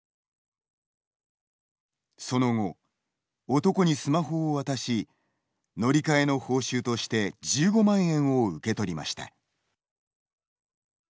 その後男にスマホを渡し乗り換えの報酬として１５万円を受け取りました。